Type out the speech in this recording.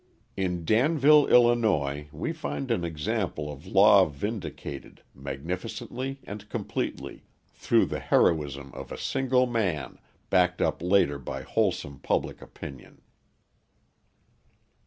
In Danville, Ill., we find an example of law vindicated, magnificently and completely, through the heroism of a single man, backed up later by wholesome public opinion.